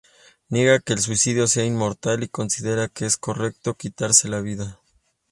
Niega que el suicidio sea inmoral y considera que es correcto quitarse la vida.